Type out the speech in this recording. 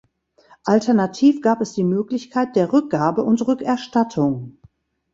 Alternativ gab es die Möglichkeit der Rückgabe und Rückerstattung.